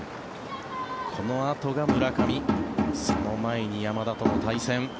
このあとが村上その前に山田との対戦。